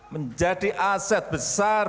menjadi aset besar